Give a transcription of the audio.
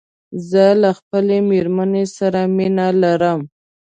زه له خپلې ميرمن سره مينه لرم